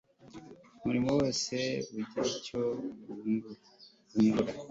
umurimo wose ugira icyo wungura